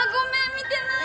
見てない！